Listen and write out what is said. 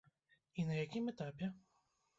І на якім этапе?